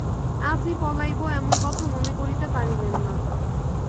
আজই পলাইব– এমন কথা মনে করিতে পারিলেন না।